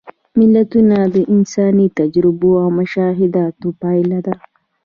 متلونه د انساني تجربو او مشاهداتو پایله ده